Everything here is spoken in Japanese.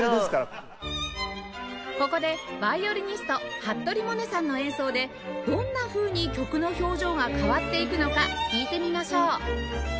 ここでヴァイオリニスト服部百音さんの演奏でどんなふうに曲の表情が変わっていくのか聴いてみましょう